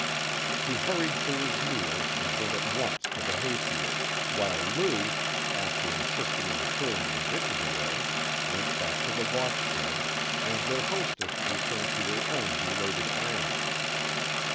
He hurried through his meal, and went at once to the hay field, while Lou, after insisting on clearing the dishes away, went back to the wash tub, and their hostess returned to her own belated ironing.